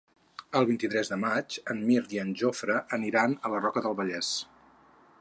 El vint-i-tres de maig en Mirt i en Jofre aniran a la Roca del Vallès.